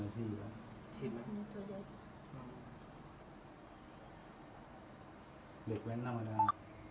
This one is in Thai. เหล็กแว่นหน้ามาแล้ว